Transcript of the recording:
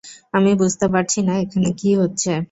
আমি বুঝতে পারছি না এখানে কি হচ্ছে।